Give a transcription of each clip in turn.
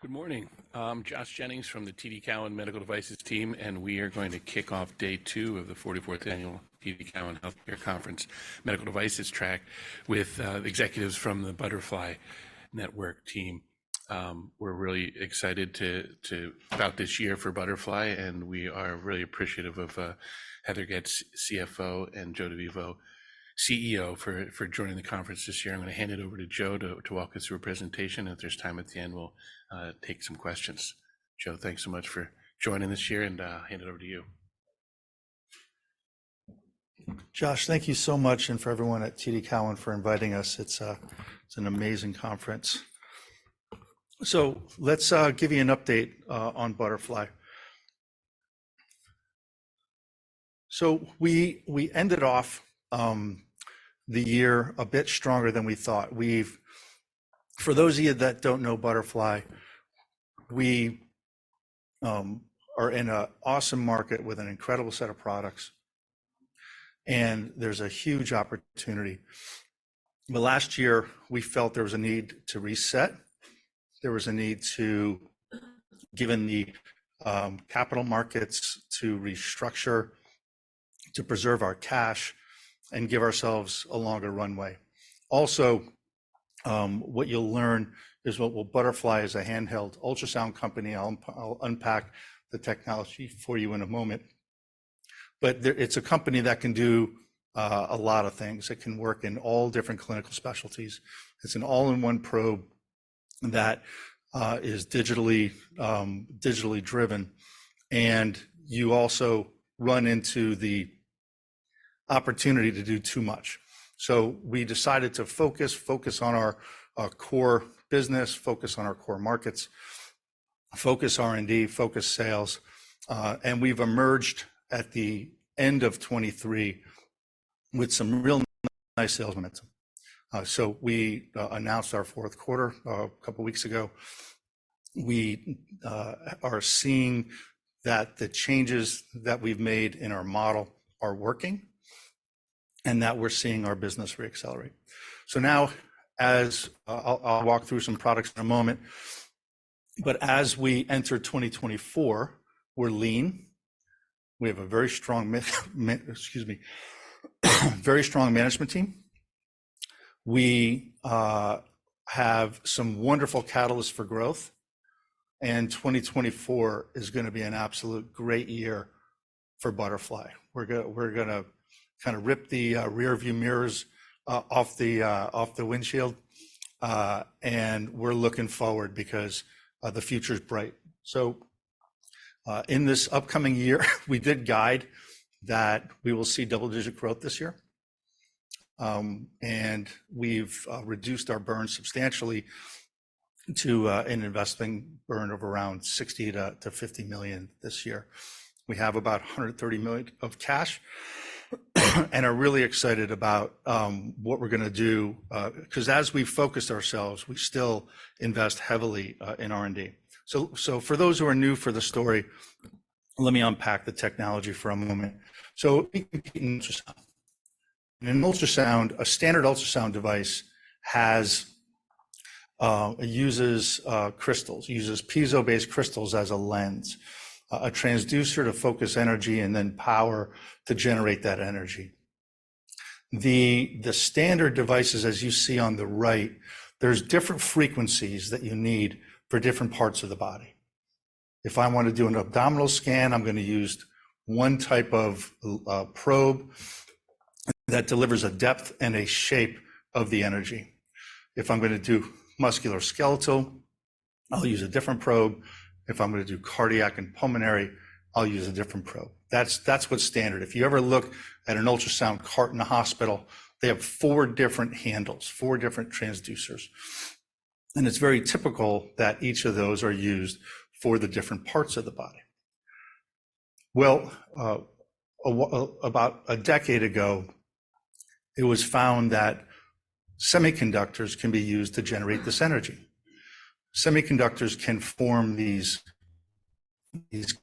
Good morning. Josh Jennings from the TD Cowen Medical Devices team, and we are going to kick off day two of the 44th annual TD Cowen Healthcare Conference Medical Devices Track with executives from the Butterfly Network team. We're really excited to about this year for Butterfly, and we are really appreciative of Heather Getz, CFO, and Joe DeVivo, CEO, for joining the conference this year. I'm gonna hand it over to Joe to walk us through a presentation, and if there's time at the end, we'll take some questions. Joe, thanks so much for joining this year, and hand it over to you. Josh, thank you so much, and for everyone at TD Cowen for inviting us. It's an amazing conference. So let's give you an update on Butterfly. So we ended off the year a bit stronger than we thought. We've for those of you that don't know Butterfly, we are in an awesome market with an incredible set of products. And there's a huge opportunity. But last year, we felt there was a need to reset. There was a need, given the capital markets, to restructure, to preserve our cash, and give ourselves a longer runway. Also, what you'll learn is what we'll Butterfly is a handheld ultrasound company. I'll unpack the technology for you in a moment. But there, it's a company that can do a lot of things. It can work in all different clinical specialties. It's an all-in-one probe that is digitally driven. You also run into the opportunity to do too much. So we decided to focus, focus on our, our core business, focus on our core markets, focus R&D, focus sales. And we've emerged at the end of 2023 with some real nice sales momentum. So we announced our fourth quarter a couple weeks ago. We are seeing that the changes that we've made in our model are working. And that we're seeing our business reaccelerate. So now, as I'll walk through some products in a moment. But as we enter 2024, we're lean. We have a very strong. Excuse me. Very strong management team. We have some wonderful catalysts for growth. And 2024 is gonna be an absolute great year for Butterfly. We're gonna kinda rip the rearview mirrors off the windshield. And we're looking forward because the future's bright. So, in this upcoming year, we did guide that we will see double-digit growth this year. We've reduced our burn substantially to an investing burn of around $60-$50 million this year. We have about $130 million of cash. And we are really excited about what we're gonna do, 'cause as we've focused ourselves, we still invest heavily in R&D. So for those who are new to the story, let me unpack the technology for a moment. So in ultrasound, a standard ultrasound device has it uses crystals, uses piezo-based crystals as a lens, a transducer to focus energy, and then power to generate that energy. The standard devices, as you see on the right, there's different frequencies that you need for different parts of the body. If I wanna do an abdominal scan, I'm gonna use one type of probe that delivers a depth and a shape of the energy. If I'm gonna do musculoskeletal, I'll use a different probe. If I'm gonna do cardiac and pulmonary, I'll use a different probe. That's what's standard. If you ever look at an ultrasound cart in a hospital, they have four different handles, four different transducers. And it's very typical that each of those are used for the different parts of the body. Well, about a decade ago, it was found that semiconductors can be used to generate this energy. Semiconductors can form these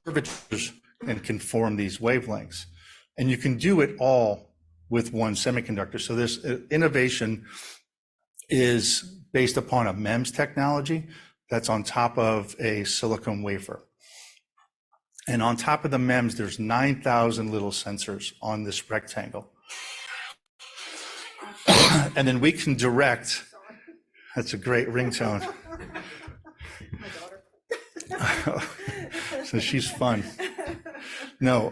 curvatures and can form these wavelengths. And you can do it all with one semiconductor. So this innovation is based upon a MEMS technology that's on top of a silicon wafer. On top of the MEMS, there's 9,000 little sensors on this rectangle. And then we can direct. That's a great ringtone. My daughter. So she's fun. No,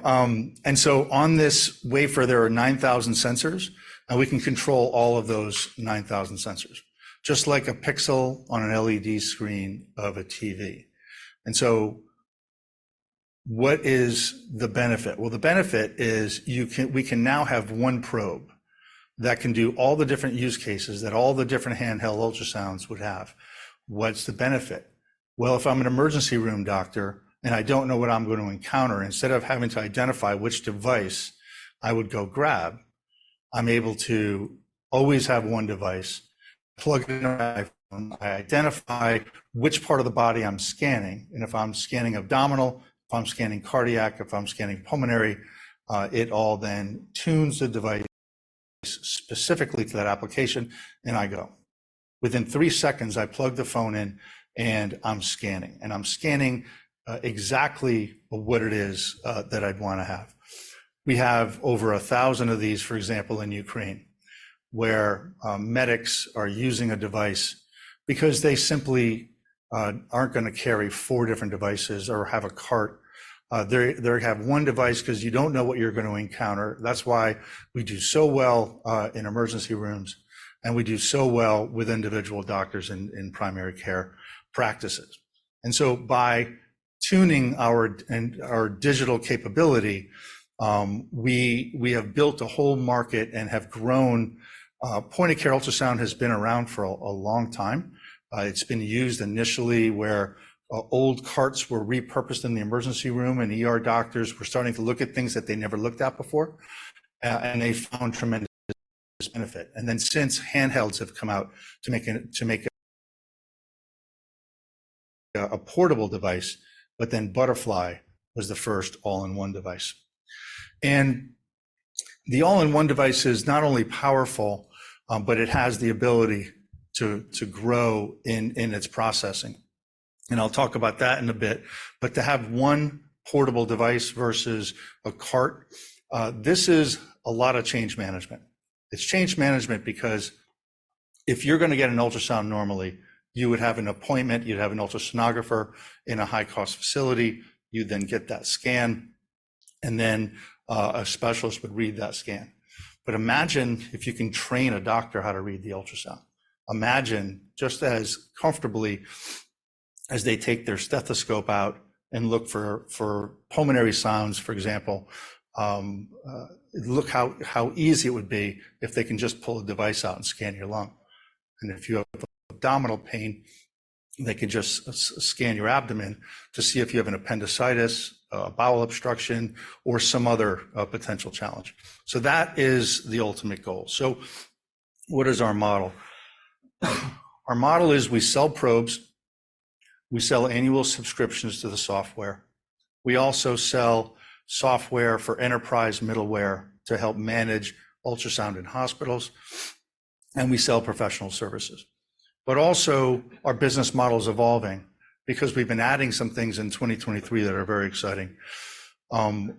and so on this wafer, there are 9,000 sensors, and we can control all of those 9,000 sensors. Just like a pixel on an LED screen of a TV. And so what is the benefit? Well, the benefit is we can now have one probe that can do all the different use cases that all the different handheld ultrasounds would have. What's the benefit? Well, if I'm an emergency room doctor and I don't know what I'm gonna encounter, instead of having to identify which device I would go grab, I'm able to always have one device plugged in. I identify which part of the body I'm scanning, and if I'm scanning abdominal, if I'm scanning cardiac, if I'm scanning pulmonary, it all then tunes the device specifically to that application, and I go. Within three seconds, I plug the phone in, and I'm scanning, and I'm scanning, exactly what it is, that I'd wanna have. We have over 1,000 of these, for example, in Ukraine, where medics are using a device because they simply aren't gonna carry four different devices or have a cart. They're gonna have one device 'cause you don't know what you're gonna encounter. That's why we do so well in emergency rooms, and we do so well with individual doctors in primary care practices. And so by tuning our digital capability, we have built a whole market and have grown. Point-of-care ultrasound has been around for a long time. It's been used initially where old carts were repurposed in the emergency room, and doctors were starting to look at things that they never looked at before. They found tremendous benefit. And then since handhelds have come out to make a portable device, but then Butterfly was the first all-in-one device. And the all-in-one device is not only powerful, but it has the ability to grow in its processing. And I'll talk about that in a bit. But to have one portable device versus a cart, this is a lot of change management. It's change management because if you're gonna get an ultrasound normally, you would have an appointment, you'd have an ultrasonographer in a high-cost facility, you'd then get that scan, and then a specialist would read that scan. But imagine if you can train a doctor how to read the ultrasound. Imagine just as comfortably as they take their stethoscope out and look for pulmonary sounds, for example. Look how easy it would be if they can just pull a device out and scan your lung. And if you have abdominal pain, they can just scan your abdomen to see if you have appendicitis, a bowel obstruction, or some other potential challenge. So that is the ultimate goal. So what is our model? Our model is we sell probes. We sell annual subscriptions to the software. We also sell software for enterprise middleware to help manage ultrasound in hospitals. And we sell professional services. But also, our business model's evolving because we've been adding some things in 2023 that are very exciting.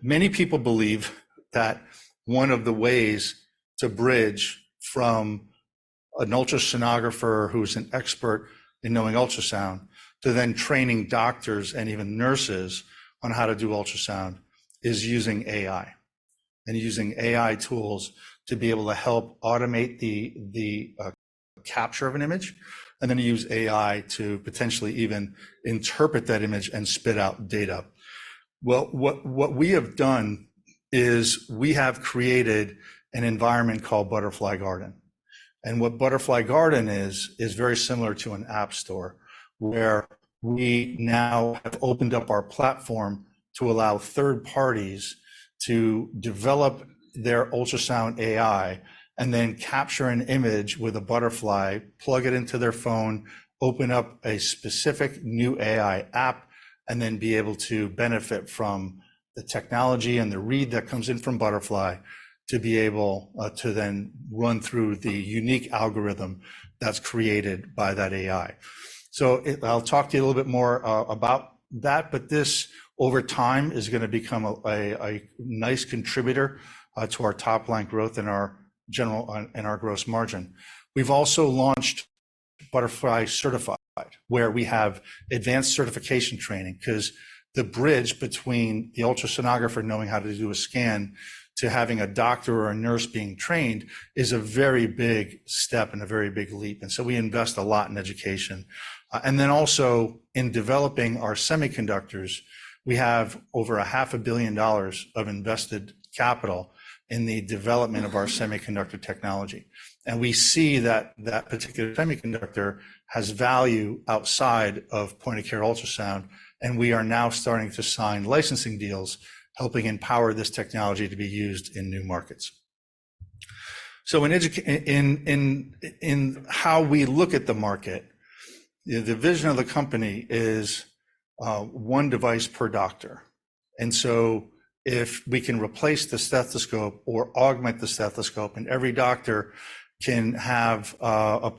Many people believe that one of the ways to bridge from an ultrasonographer who's an expert in knowing ultrasound to then training doctors and even nurses on how to do ultrasound is using AI. And using AI tools to be able to help automate the capture of an image, and then use AI to potentially even interpret that image and spit out data. Well, what we have done is we have created an environment called Butterfly Garden. What Butterfly Garden is, is very similar to an app store where we now have opened up our platform to allow third parties to develop their ultrasound AI and then capture an image with a Butterfly, plug it into their phone, open up a specific new AI app, and then be able to benefit from the technology and the read that comes in from Butterfly to be able to then run through the unique algorithm that's created by that AI. So, I'll talk to you a little bit more about that, but this over time is gonna become a nice contributor to our top-line growth and our general on in our gross margin. We've also launched Butterfly Certified where we have advanced certification training 'cause the bridge between the ultrasonographer knowing how to do a scan to having a doctor or a nurse being trained is a very big step and a very big leap. And so we invest a lot in education. And then also in developing our semiconductors, we have over $500 million of invested capital in the development of our semiconductor technology. And we see that that particular semiconductor has value outside of point-of-care ultrasound, and we are now starting to sign licensing deals helping empower this technology to be used in new markets. So in how we look at the market, the vision of the company is one device per doctor. If we can replace the stethoscope or augment the stethoscope and every doctor can have a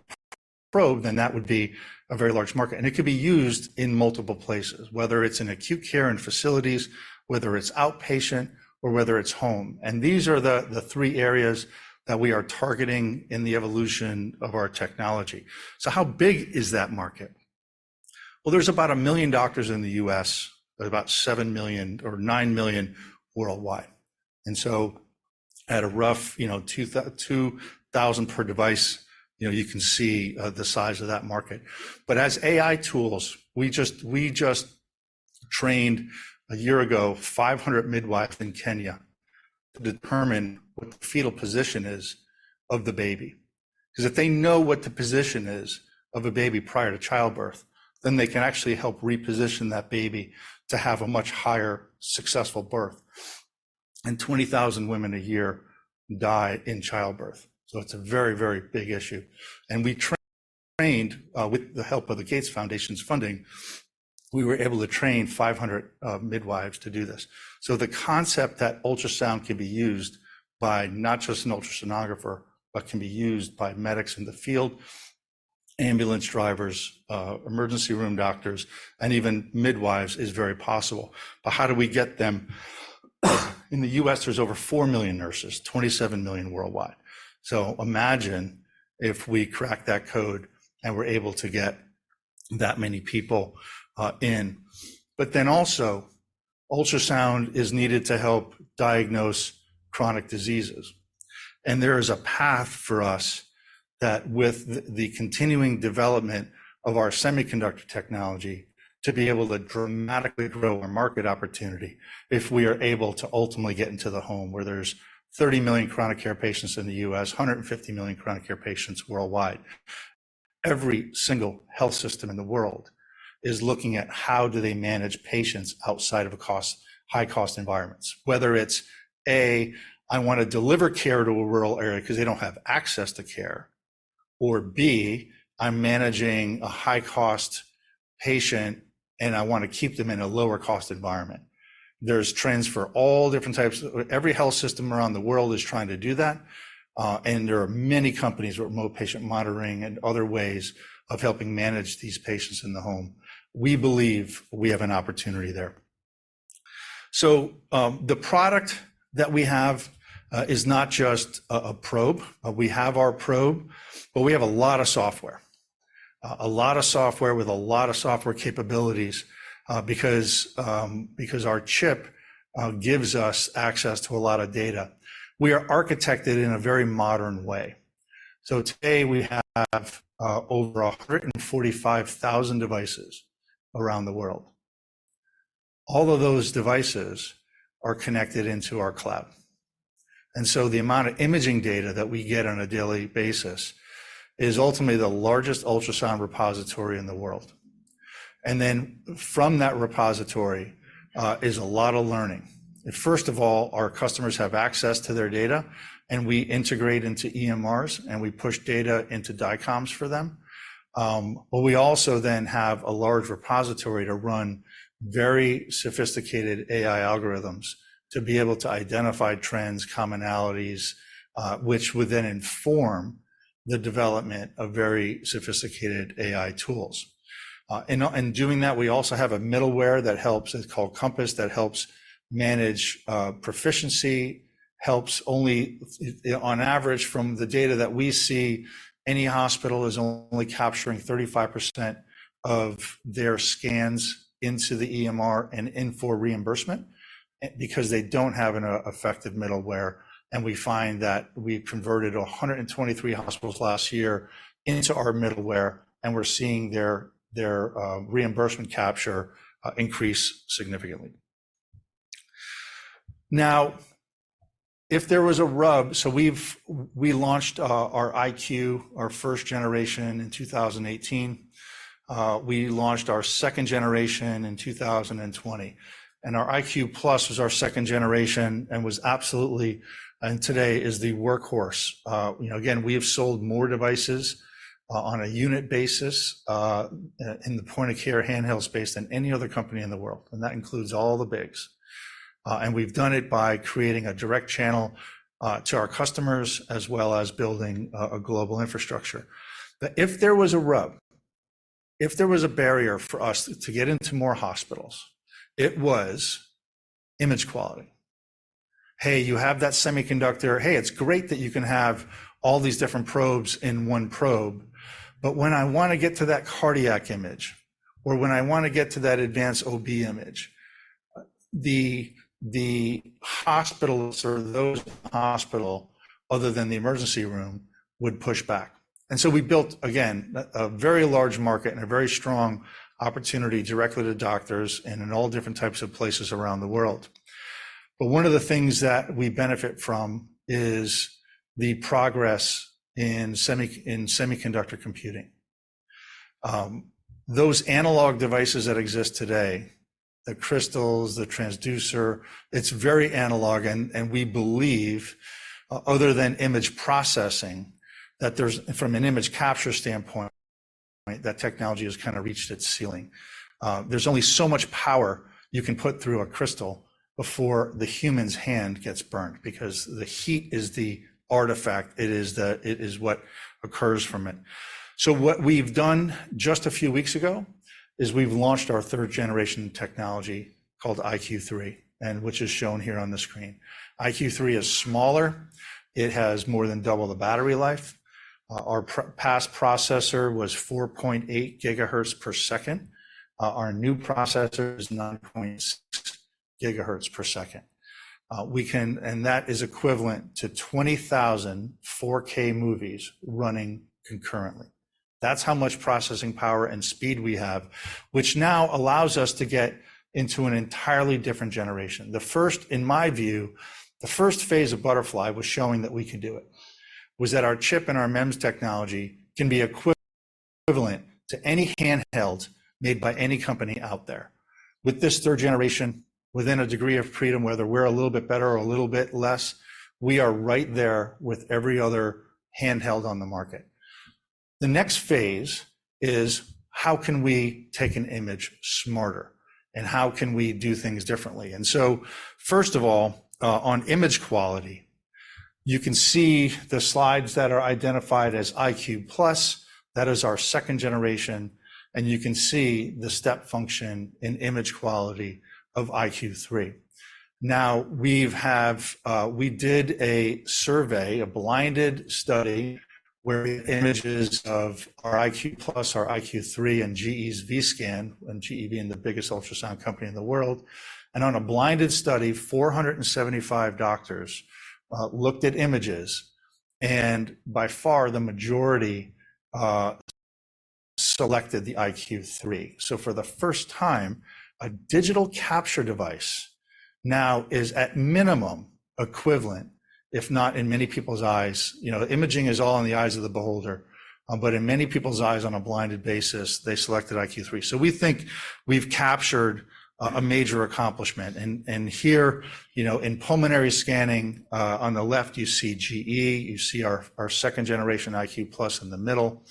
probe, then that would be a very large market. It could be used in multiple places, whether it's in acute care and facilities, whether it's outpatient, or whether it's home. These are the three areas that we are targeting in the evolution of our technology. So how big is that market? Well, there's about 1 million doctors in the US, about 7 million or 9 million worldwide. And so at a rough, you know, $2,000 per device, you know, you can see the size of that market. But as AI tools, we just trained a year ago 500 midwives in Kenya to determine what the fetal position is of the baby. 'Cause if they know what the position is of a baby prior to childbirth, then they can actually help reposition that baby to have a much higher successful birth. And 20,000 women a year die in childbirth. So it's a very, very big issue. And we trained, with the help of the Gates Foundation's funding, we were able to train 500 midwives to do this. So the concept that ultrasound can be used by not just an ultrasonographer, but can be used by medics in the field, ambulance drivers, emergency room doctors, and even midwives is very possible. But how do we get them? In the U.S., there's over 4 million nurses, 27 million worldwide. So imagine if we crack that code and we're able to get that many people, in. But then also, ultrasound is needed to help diagnose chronic diseases. There is a path for us that with the continuing development of our semiconductor technology to be able to dramatically grow our market opportunity if we are able to ultimately get into the home where there's 30 million chronic care patients in the U.S., 150 million chronic care patients worldwide. Every single health system in the world is looking at how do they manage patients outside of high-cost environments. Whether it's, A, I wanna deliver care to a rural area 'cause they don't have access to care. Or B, I'm managing a high-cost patient and I wanna keep them in a lower-cost environment. There's trends for all different types of every health system around the world is trying to do that. And there are many companies with remote patient monitoring and other ways of helping manage these patients in the home. We believe we have an opportunity there. So, the product that we have is not just a probe. We have our probe, but we have a lot of software. A lot of software with a lot of software capabilities, because our chip gives us access to a lot of data. We are architected in a very modern way. So today we have over 145,000 devices around the world. All of those devices are connected into our cloud. And so the amount of imaging data that we get on a daily basis is ultimately the largest ultrasound repository in the world. And then from that repository is a lot of learning. First of all, our customers have access to their data, and we integrate into EMRs, and we push data into DICOMs for them. We also then have a large repository to run very sophisticated AI algorithms to be able to identify trends, commonalities, which would then inform the development of very sophisticated AI tools. And doing that, we also have a middleware that helps, it's called Compass, that helps manage proficiency. On average, from the data that we see, any hospital is only capturing 35% of their scans into the EMR for reimbursement because they don't have an effective middleware. And we find that we converted 123 hospitals last year into our middleware, and we're seeing their reimbursement capture increase significantly. Now, if there was a rub, so we've launched our iQ, our first generation in 2018. We launched our second generation in 2020. And our iQ+ was our second generation and was absolutely and today is the workhorse. You know, again, we have sold more devices, on a unit basis, in the point-of-care handheld space than any other company in the world. And that includes all the bigs. And we've done it by creating a direct channel to our customers as well as building a global infrastructure. But if there was a rub, if there was a barrier for us to get into more hospitals, it was image quality. Hey, you have that semiconductor. Hey, it's great that you can have all these different probes in one probe. But when I wanna get to that cardiac image or when I wanna get to that advanced OB image, the hospitals or those in the hospital other than the emergency room would push back. So we built, again, a very large market and a very strong opportunity directly to doctors and in all different types of places around the world. But one of the things that we benefit from is the progress in semiconductor computing. Those analog devices that exist today, the crystals, the transducer, it's very analog. And we believe, other than image processing, that there's from an image capture standpoint, that technology has kinda reached its ceiling. There's only so much power you can put through a crystal before the human's hand gets burned because the heat is the artifact. It is what occurs from it. So what we've done just a few weeks ago is we've launched our third generation technology called iQ3, which is shown here on the screen. iQ3 is smaller. It has more than double the battery life. Our past processor was 4.8 gigahertz per second. Our new processor is 9.6 gigahertz per second. We can, and that is equivalent to 20,000 4K movies running concurrently. That's how much processing power and speed we have, which now allows us to get into an entirely different generation. The first, in my view, the first phase of Butterfly was showing that we can do it, was that our chip and our MEMS technology can be equivalent to any handheld made by any company out there. With this third generation, within a degree of freedom, whether we're a little bit better or a little bit less, we are right there with every other handheld on the market. The next phase is how can we take an image smarter and how can we do things differently? And so first of all, on image quality, you can see the slides that are identified as iQ+. That is our second generation. And you can see the step function in image quality of iQ3. Now, we did a survey, a blinded study where images of our iQ+, our iQ3, and GE's Vscan and GE being the biggest ultrasound company in the world. And on a blinded study, 475 doctors looked at images. And by far, the majority selected the iQ3. So for the first time, a digital capture device now is at minimum equivalent, if not in many people's eyes you know, imaging is all in the eyes of the beholder. But in many people's eyes, on a blinded basis, they selected iQ3. So we think we've captured a major accomplishment. And here, you know, in pulmonary scanning, on the left, you see GE. You see our, our second generation iQ+ in the middle,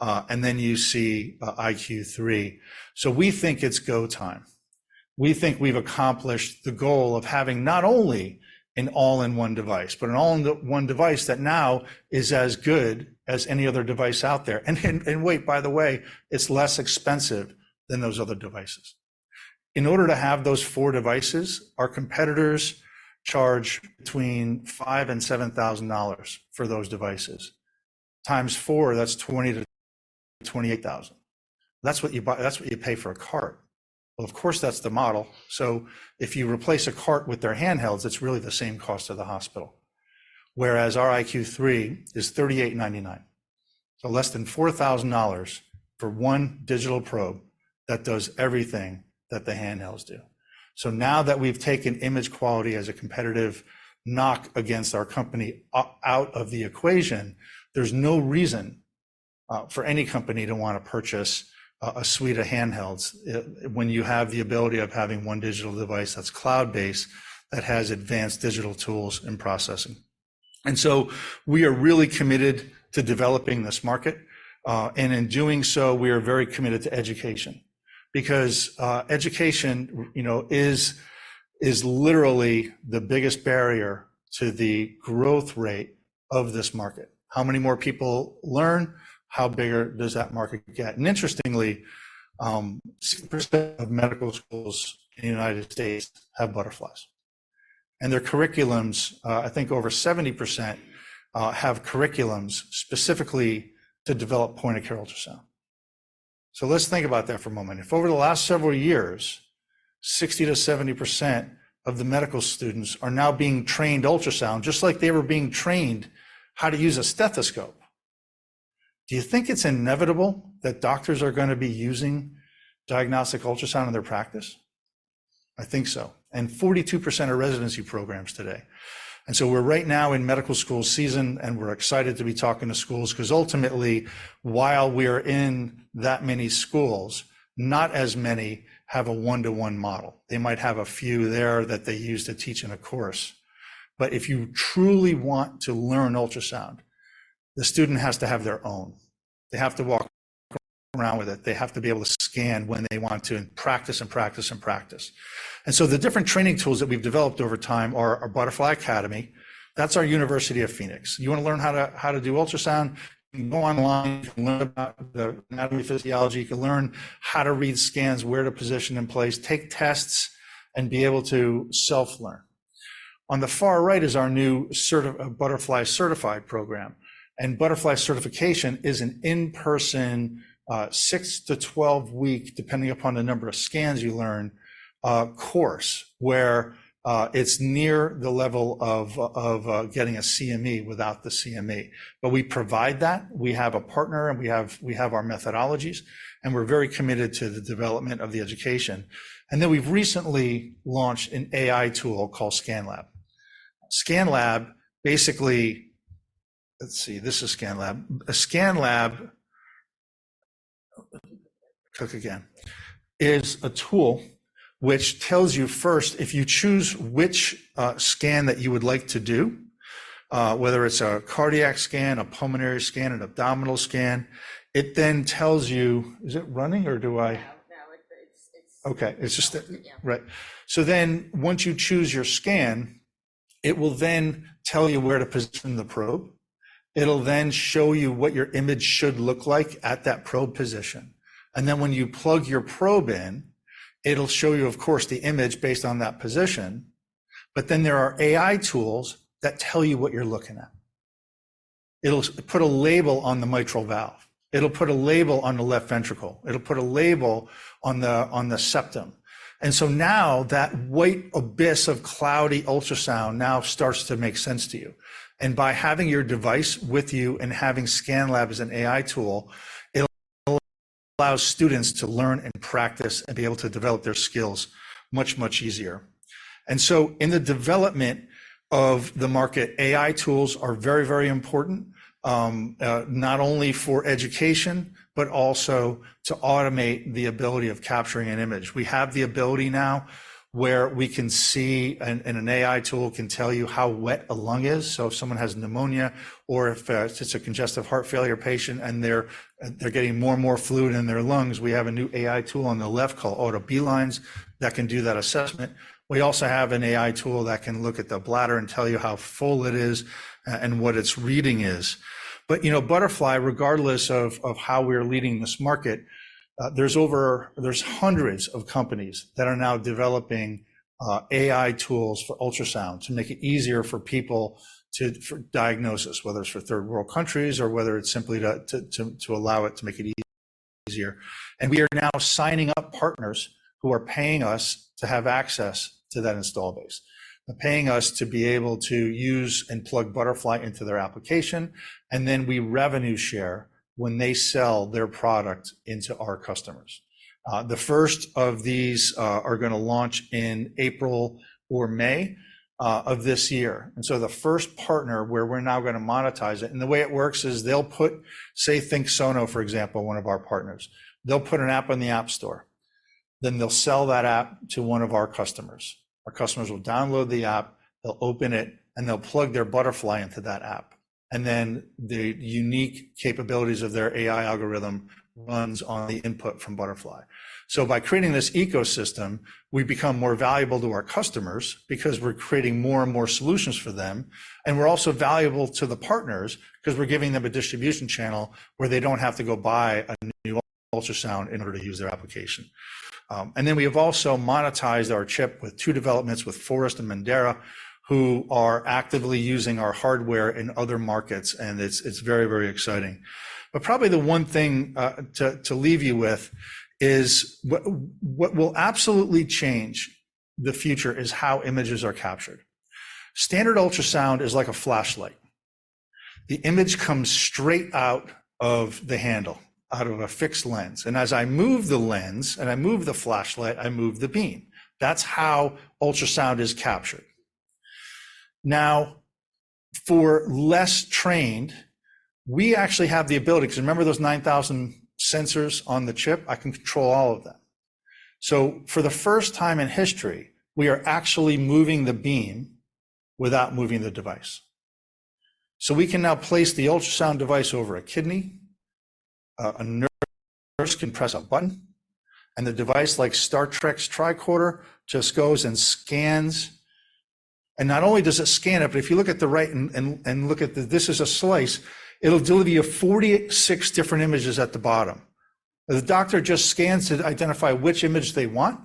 and then you see iQ3. So we think it's go time. We think we've accomplished the goal of having not only an all-in-one device, but an all-in-one device that now is as good as any other device out there. And wait, by the way, it's less expensive than those other devices. In order to have those four devices, our competitors charge between $5,000-$7,000 for those devices. Times 4, that's $20,000-$28,000. That's what you buy; that's what you pay for a cart. Well, of course, that's the model. So if you replace a cart with their handhelds, it's really the same cost to the hospital. Whereas our iQ3 is $3,899. So less than $4,000 for one digital probe that does everything that the handhelds do. So now that we've taken image quality as a competitive knock against our company out of the equation, there's no reason for any company to wanna purchase a suite of handhelds when you have the ability of having one digital device that's cloud-based that has advanced digital tools and processing. So we are really committed to developing this market. In doing so, we are very committed to education because education, you know, is literally the biggest barrier to the growth rate of this market. How many more people learn? How bigger does that market get? Interestingly, 60% of medical schools in the United States have Butterflies. And their curriculums, I think over 70%, have curriculums specifically to develop point-of-care ultrasound. So let's think about that for a moment. If over the last several years, 60%-70% of the medical students are now being trained ultrasound just like they were being trained how to use a stethoscope, do you think it's inevitable that doctors are gonna be using diagnostic ultrasound in their practice? I think so. 42% are residency programs today. We're right now in medical school season, and we're excited to be talking to schools 'cause ultimately, while we are in that many schools, not as many have a one-to-one model. They might have a few there that they use to teach in a course. But if you truly want to learn ultrasound, the student has to have their own. They have to walk around with it. They have to be able to scan when they want to and practice and practice and practice. The different training tools that we've developed over time are our Butterfly Academy. That's our University of Phoenix. You wanna learn how to do ultrasound? You can go online. You can learn about the anatomy physiology. You can learn how to read scans, where to position in place, take tests, and be able to self-learn. On the far right is our new Butterfly Certified program. Butterfly certification is an in-person, 6-12-week, depending upon the number of scans you learn, course where it's near the level of getting a CME without the CME. But we provide that. We have a partner, and we have our methodologies. We're very committed to the development of the education. Then we've recently launched an AI tool called ScanLab. ScanLab basically. This is ScanLab. A ScanLab click again is a tool which tells you first if you choose which scan that you would like to do, whether it's a cardiac scan, a pulmonary scan, an abdominal scan. So then once you choose your scan, it will then tell you where to position the probe. It'll then show you what your image should look like at that probe position. And then when you plug your probe in, it'll show you, of course, the image based on that position. But then there are AI tools that tell you what you're looking at. It'll put a label on the mitral valve. It'll put a label on the left ventricle. It'll put a label on the septum. Now that white abyss of cloudy ultrasound now starts to make sense to you. By having your device with you and having ScanLab as an AI tool, it allows students to learn and practice and be able to develop their skills much, much easier. In the development of the market, AI tools are very, very important, not only for education but also to automate the ability of capturing an image. We have the ability now where we can see and an AI tool can tell you how wet a lung is. If someone has pneumonia or if, it's a congestive heart failure patient and they're they're getting more and more fluid in their lungs, we have a new AI tool on the left called Auto B-line Counter that can do that assessment. We also have an AI tool that can look at the bladder and tell you how full it is and what its reading is. But, you know, Butterfly, regardless of of how we're leading this market, there's over there's hundreds of companies that are now developing AI tools for ultrasound to make it easier for people to for diagnosis, whether it's for third world countries or whether it's simply to to to to allow it to make it easier. And we are now signing up partners who are paying us to have access to that install base, paying us to be able to use and plug Butterfly into their application. And then we revenue share when they sell their product into our customers. The first of these are gonna launch in April or May of this year. And so, the first partner where we're now gonna monetize it, and the way it works is they'll put, say, ThinkSono, for example, one of our partners. They'll put an app in the App Store. Then they'll sell that app to one of our customers. Our customers will download the app. They'll open it, and they'll plug their Butterfly into that app. And then the unique capabilities of their AI algorithm runs on the input from Butterfly. So by creating this ecosystem, we become more valuable to our customers because we're creating more and more solutions for them. And we're also valuable to the partners 'cause we're giving them a distribution channel where they don't have to go buy a new ultrasound in order to use their application. And then we have also monetized our chip with two developments with Forest and Mendaera, who are actively using our hardware in other markets. And it's, it's very, very exciting. But probably the one thing, to to leave you with is what what will absolutely change the future is how images are captured. Standard ultrasound is like a flashlight. The image comes straight out of the handle, out of a fixed lens. And as I move the lens and I move the flashlight, I move the beam. That's how ultrasound is captured. Now, for less trained, we actually have the ability 'cause remember those 9,000 sensors on the chip? I can control all of them. So for the first time in history, we are actually moving the beam without moving the device. So we can now place the ultrasound device over a kidney. A nurse can press a button. The device, like Star Trek's Tricorder, just goes and scans. And not only does it scan it, but if you look at the right and look at the – this is a slice. It'll deliver you 46 different images at the bottom. The doctor just scans to identify which image they want.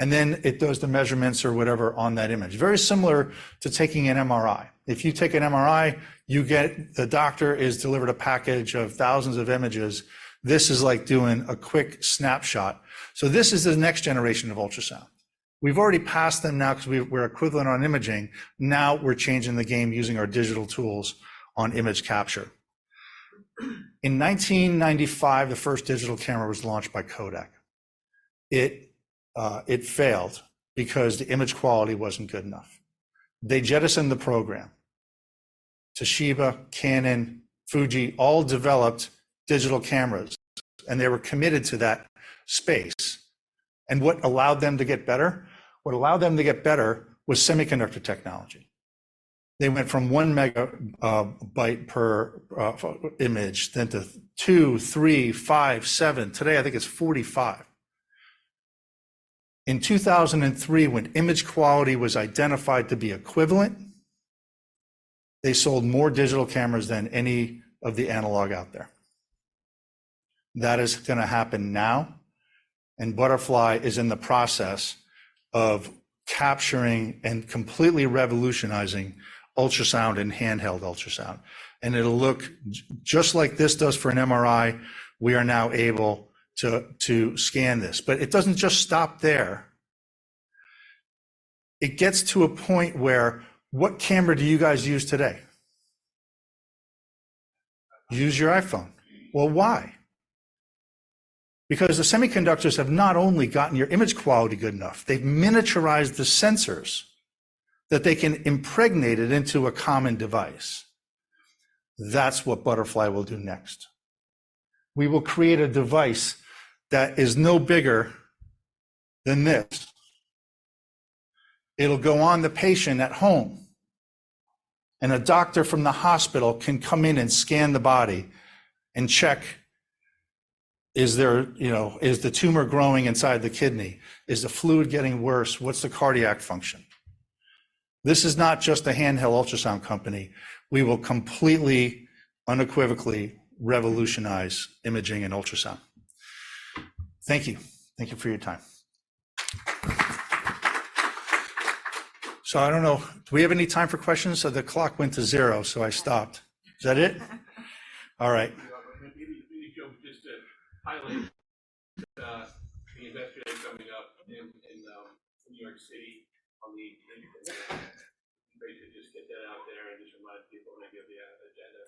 And then it does the measurements or whatever on that image. Very similar to taking an MRI. If you take an MRI, you get – the doctor is delivered a package of thousands of images. This is like doing a quick snapshot. So this is the next generation of ultrasound. We've already passed them now 'cause we're equivalent on imaging. Now we're changing the game using our digital tools on image capture. In 1995, the first digital camera was launched by Kodak. It failed because the image quality wasn't good enough. They jettisoned the program. Toshiba, Canon, Fuji all developed digital cameras. They were committed to that space. What allowed them to get better? What allowed them to get better was semiconductor technology. They went from 1 megabyte per image then to 2, 3, 5, 7. Today, I think it's 45. In 2003, when image quality was identified to be equivalent, they sold more digital cameras than any of the analog out there. That is gonna happen now. Butterfly is in the process of capturing and completely revolutionizing ultrasound and handheld ultrasound. It'll look just like this does for an MRI. We are now able to scan this. But it doesn't just stop there. It gets to a point where what camera do you guys use today? Use your iPhone. Well, why? Because the semiconductors have not only gotten your image quality good enough, they've miniaturized the sensors that they can impregnate it into a common device. That's what Butterfly will do next. We will create a device that is no bigger than this. It'll go on the patient at home. And a doctor from the hospital can come in and scan the body and check is there, you know is the tumor growing inside the kidney? Is the fluid getting worse? What's the cardiac function? This is not just a handheld ultrasound company. We will completely, unequivocally revolutionize imaging and ultrasound. Thank you. Thank you for your time. So I don't know. Do we have any time for questions? So the clock went to 0, so I stopped. Is that it? All right. Maybe Joe just to highlight the Investor Day coming up in New York City on the Investor Day. Just get that out there and just remind people when they give the agenda.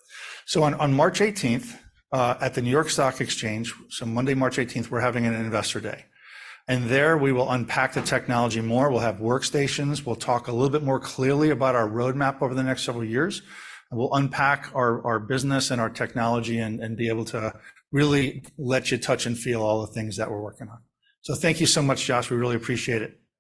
So on March 18th, at the New York Stock Exchange, so Monday, March 18th, we're having an Investor Day. And there we will unpack the technology more. We'll have workstations. We'll talk a little bit more clearly about our roadmap over the next several years. And we'll unpack our business and our technology and be able to really let you touch and feel all the things that we're working on. So thank you so much, Josh. We really appreciate it.